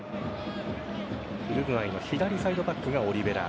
ウルグアイの左サイドバックがオリヴェラ。